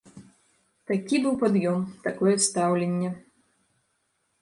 Такі быў пад'ём, такое стаўленне.